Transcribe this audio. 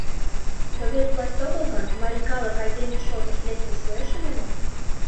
Совет власть огыл гын, марий калык айдеме шотыш лектын шуэш ыле мо?